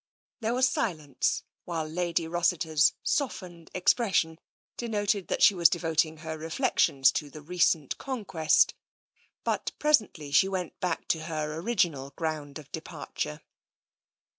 There was silence, while Lady Rossiter's softened expression denoted that she was devoting her reflec tions to the recent conquest. But presently she went back to her original ground of departure.